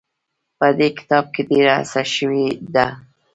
په دې کتاب کې ډېره هڅه شوې ده.